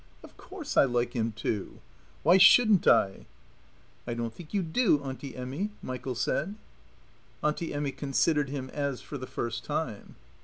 "Of course I like him too. Why shouldn't I?" "I don't think you do, Auntie Emmy," Michael said. Auntie Emmy considered him as for the first time.